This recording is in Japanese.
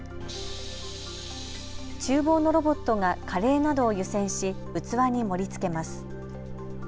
ちゅう房のロボットがカレーなどを湯煎し器に盛りつけます。